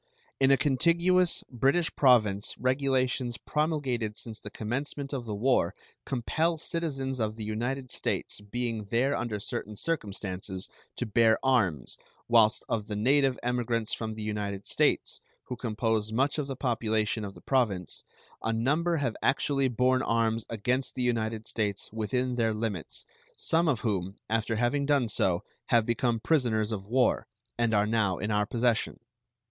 In a contiguous British Province regulations promulgated since the commencement of the war compel citizens of the United States being there under certain circumstances to bear arms, whilst of the native emigrants from the United States, who compose much of the population of the Province, a number have actually borne arms against the United States within their limits, some of whom, after having done so, have become prisoners of war, and are now in our possession.